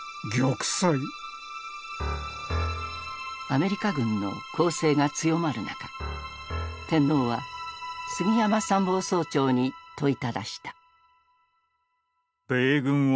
アメリカ軍の攻勢が強まる中天皇は杉山参謀総長に問いただした。